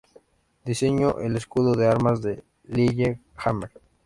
Diseñó el escudo de armas de Lillehammer.